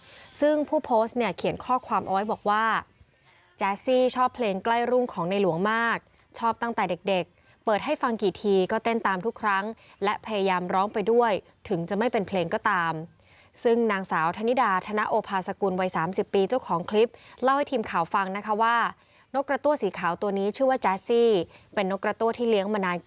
ราชนิพลใกล้รุ่งซึ่งผู้โพสต์เนี่ยเขียนข้อความเอาไว้บอกว่าแจ๊สซี่ชอบเพลงใกล้รุ่งของในหลวงมากชอบตั้งแต่เด็กเปิดให้ฟังกี่ทีก็เต้นตามทุกครั้งและพยายามร้องไปด้วยถึงจะไม่เป็นเพลงก็ตามซึ่งนางสาวธนิดาธนโภพาสกุลวัย